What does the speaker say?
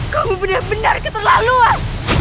kau benar benar keterlaluan